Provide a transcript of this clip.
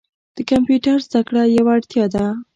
د کمپیوټر زده کړه یوه اړتیا ده.